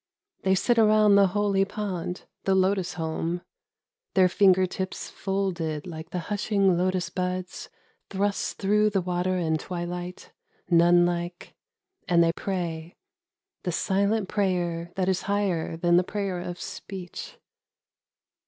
They sit around the holy pond, the lotus home, Their finger tips folded like the hushing lotus buds Thrust through the water and twilight, nun like, And they pray (^the silent prayer that is higher than the prayer of speech).